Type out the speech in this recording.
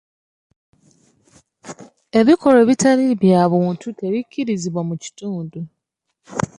Ebikolwa ebitali bya buntu tebikkirizibwa mu kitundu.